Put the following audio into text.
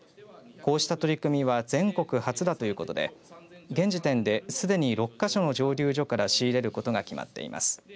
こうした取り組みは全国初だということで現時点で、すでに６か所の蒸留所から仕入れることが決まっています。